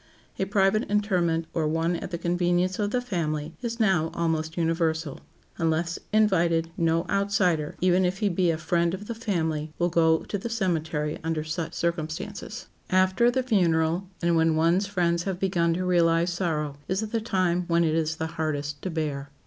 A private interment, or one at the convenience of the family, is now almost universal. Unless invited, no outsider, even if he be a friend of the family, will go to the cemetery under such circumstances. After the funeral, and when one's friends have begun to realize sorrow, is the time when it is the hardest to bear.